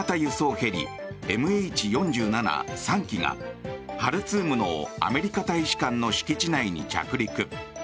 ヘリＭＨ４７、３機がハルツームのアメリカ大使館の敷地内に着陸。